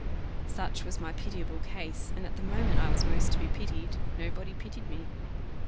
Such was my pitiable case; and at the moment I was most to be pitied, nobody pitied me.